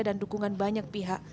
dan dukungan banyak pihak